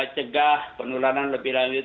cegah penularan lebih lanjut